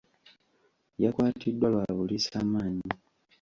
Yakwatiddwa lwa buliisa maanyi.